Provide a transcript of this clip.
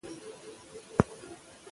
هغه د خپلې غلطۍ له امله ډېره پښېمانه وه.